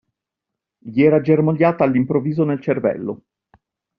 Gli era germogliata all'improvviso nel cervello.